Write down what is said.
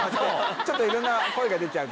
ちょっと色んな声が出ちゃうけど。